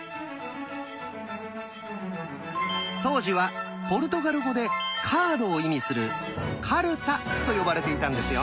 当時はポルトガル語でカードを意味する「カルタ」と呼ばれていたんですよ。